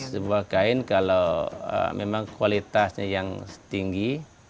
sebuah kain kalau memang kualitasnya yang tinggi